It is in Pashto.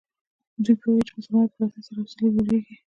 دوی پوهېږي چې د مسلمانانو په راتګ سره حوصلې لوړېږي.